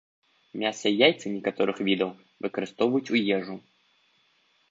Мяса і яйцы некаторых відаў выкарыстоўваюць у ежу.